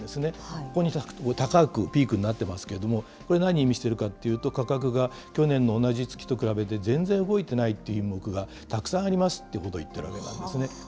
ここに高くピークになってますけれども、これ、何意味しているかというと、価格が去年の同じ月と比べて全然動いてないという品目がたくさんありますということを言ってるわけなんですね。